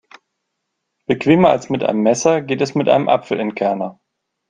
Bequemer als mit einem Messer geht es mit einem Apfelentkerner.